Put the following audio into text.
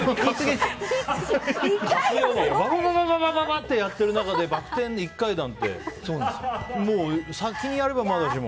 バババン！ってやってる中でバック転、１回なんて先にやればまだしも。